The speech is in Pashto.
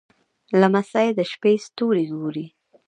لمسی د شپې ستوري ګوري.